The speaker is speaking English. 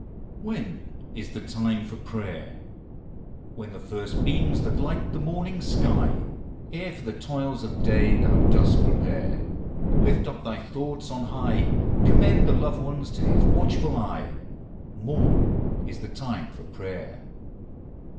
When is the time for prayer? With the first beams that light the morning's sky, Ere for the toils of day thou dost prepare, Lift up thy thoughts on high; Commend the loved ones to his watchful care: Morn is the time for prayer!